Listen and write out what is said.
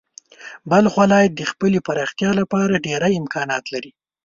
بلخ ولایت د خپلې پراختیا لپاره ډېری امکانات لري.